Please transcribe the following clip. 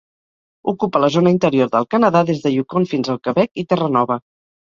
Ocupa la zona interior del Canadà des de Yukon fins al Quebec i Terranova.